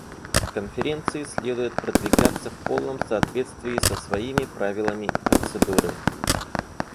Конференции следует продвигаться в полном соответствии со своими правилами процедуры.